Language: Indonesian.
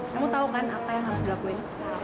kamu tau kan apa yang harus dilakuin